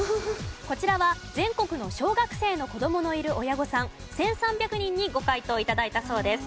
こちらは全国の小学生の子供のいる親御さん１３００人にご回答頂いたそうです。